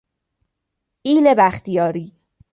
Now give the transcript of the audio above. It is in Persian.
ایل بختیاری